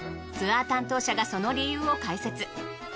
ツアー担当者がその理由を解説。